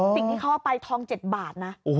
สิ่งที่เข้าไปทอง๗บาท